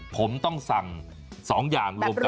ผมต้องสั่ง๒อย่างรวมกัน